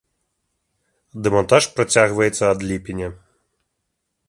Дэмантаж працягваецца ад ліпеня.